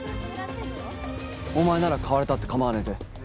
お前なら買われたって構わねえぜ。